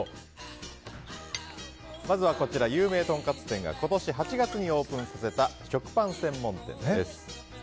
まずはこちら有名トンカツ店が今年８月にオープンさせた食パン専門店です。